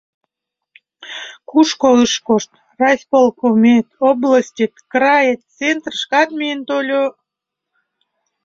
Кушко ыш кошт — райисполкомет, областет, крает, центрышкат миен тольо.